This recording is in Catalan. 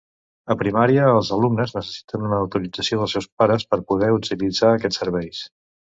A primària els alumnes necessiten una autorització dels seus pares per poder utilitzar aquests serveis.